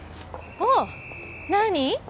あっ何？